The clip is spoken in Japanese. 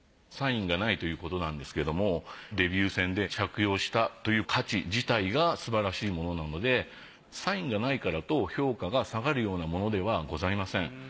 サインがないということなんですけどもデビュー戦で着用したという価値自体がすばらしいものなのでサインがないからと評価が下がるようなものではございません。